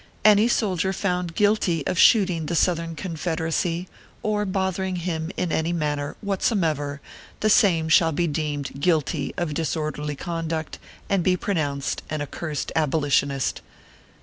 Any soldier found guilty of shooting the South ern Confederacy, or bothering him in any man ner whatsomever, the same shall be deemed guilty of disorderly conduct, and be pronounced an accursed abolitionist.